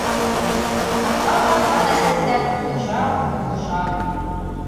Ҡанға батҡан әтәстәр туҙыша, һуғыша.